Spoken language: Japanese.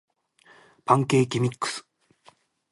パンケーキミックス